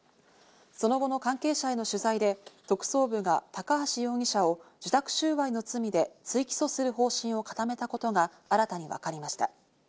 その後の関係者への取材で特捜部が高橋容疑者を受託収賄の罪で追起訴する方針を固めたことが新たに分かりました。